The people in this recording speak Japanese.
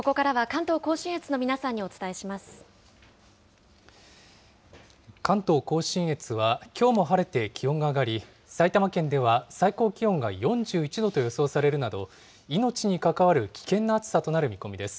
関東甲信越は、きょうも晴れて気温が上がり、埼玉県では最高気温が４１度と予想されるなど、命に関わる危険な暑さとなる見込みです。